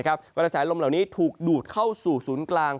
กระแสลมเหล่านี้ถูกดูดเข้าสู่ศูนย์กลาง